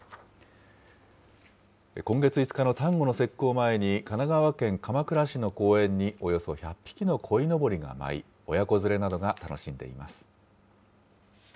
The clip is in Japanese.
今月５日の端午の節句を前に、神奈川県鎌倉市の公園におよそ１００匹のこいのぼりが舞い、親子連れなどが楽しんでいます。